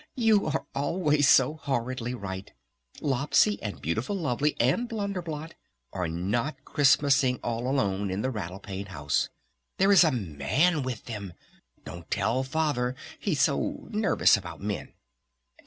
"You are always so horridly right! Lopsy and Beautiful Lovely and Blunder Blot are not Christmasing all alone in the Rattle Pane House! There is a man with them! Don't tell Father, he's so nervous about men!"